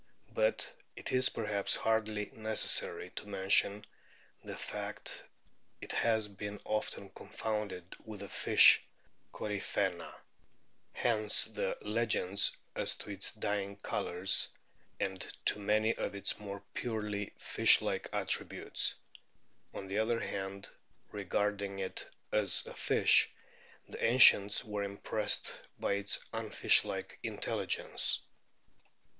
But it is perhaps hardly necessary to mention the fact it has been often confounded with the fish Coryphesna ; hence the legends as to its dying colours and to many of its more purely fish like attributes. On the other hand, regarding it as a fish, the ancients were impressed by its unfish like intelligence.